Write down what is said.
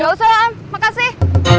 gak usah am makasih